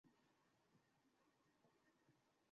আমি তোমাকে ছেড়ে যাবো না।